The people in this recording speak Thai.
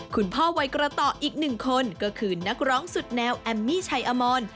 วัยกระต่ออีกหนึ่งคนก็คือนักร้องสุดแนวแอมมี่ชัยอมร